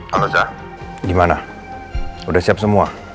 halo jah gimana udah siap semua